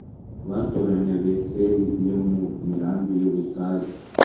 batoranya beseri, yo mu mirambi y'ubutayu